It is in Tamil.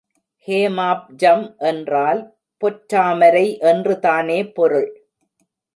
ஹேமாப்ஜம் என்றால் பொற்றாமரை என்றுதானே பொருள்.